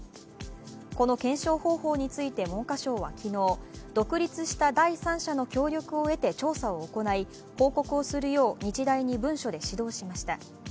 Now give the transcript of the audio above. この検証方法について文科省は昨日、独立した第三者の協力を得て調査を行い、報告をするよう日大に文書で指導しました。